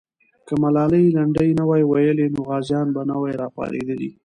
که ملالۍ لنډۍ نه وای ویلې، نو غازیان به نه وای راپارېدلي.